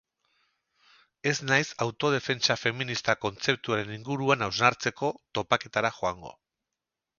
Ez naiz autodefentsa feminista kontzeptuaren inguruan hausnartzeko topaketara joango.